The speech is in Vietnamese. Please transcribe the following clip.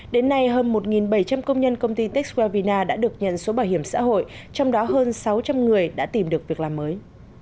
đến nay hơn một bảy trăm linh công nhân công ty texwavina đã được nhận số bảo hiểm xã hội trong đó hơn sáu trăm linh người đã tìm được việc làm mới